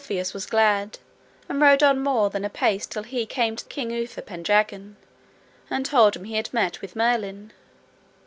Then Ulfius was glad, and rode on more than a pace till that he came to King Uther Pendragon, and told him he had met with Merlin.